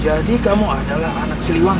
jadi kamu adalah anak siliwang